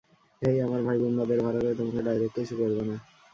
হেই, আমার ভাই গুণ্ডাদের ভাড়া করে তোমাকে ডাইরেক্ট কিছু করবে না।